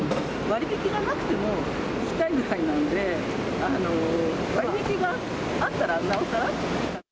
割引がなくても行きたいぐらいなんで、割引があったらなおさら。